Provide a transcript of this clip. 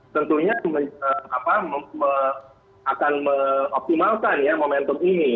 tentunya akan mengoptimalkan momentum ini